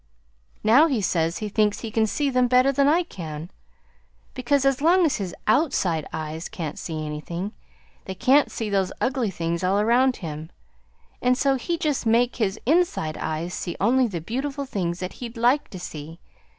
Now he says he thinks he can see them better than I can, because as long as his OUTSIDE eyes can't see anything, they can't see those ugly things all around him, and so he can just make his INSIDE eyes see only the beautiful things that he'd LIKE to see.